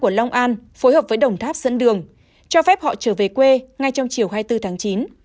của long an phối hợp với đồng tháp dẫn đường cho phép họ trở về quê ngay trong chiều hai mươi bốn tháng chín